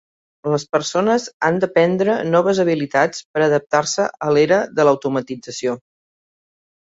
Les persones han d'aprendre noves habilitats per adaptar-se a l'era de l'automatització.